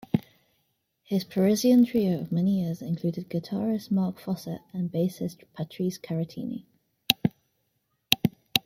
His Parisian trio of many years included guitarist Marc Fosset and bassist Patrice Carratini.